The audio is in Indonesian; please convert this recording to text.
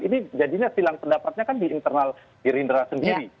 ini jadinya silang pendapatnya kan di internal gerindra sendiri